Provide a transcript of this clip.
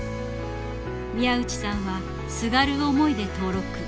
宮内さんはすがる思いで登録。